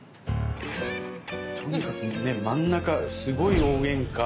とにかくね真ん中すごい大げんか。